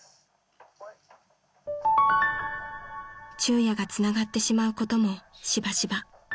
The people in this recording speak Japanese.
［昼夜がつながってしまうこともしばしば］